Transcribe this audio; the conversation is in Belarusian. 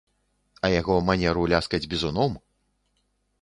А яго манеру ляскаць бізуном!